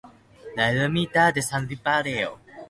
La Ermita de San Isidro.